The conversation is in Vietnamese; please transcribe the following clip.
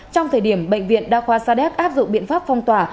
trong thời điểm bệnh viện đa khoa sa đéc áp dụng biện pháp phong tỏa